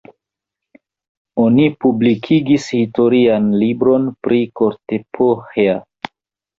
Oni publikigis historian libron pri Kortepohja.